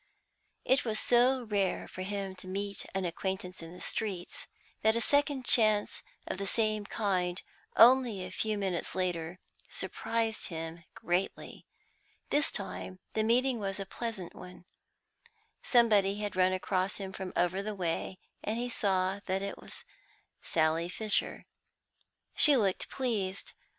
It was so rare for him to meet an acquaintance in the streets, that a second chance of the same kind, only a few minutes later, surprised him greatly. This time the meeting was a pleasant one; somebody ran across to him from over the way, and he saw that it was Sally Fisher. She looked pleased.